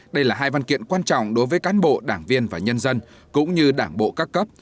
đây là hai văn kiện quan trọng đối với cán bộ đảng viên và nhân dân cũng như đảng bộ các cấp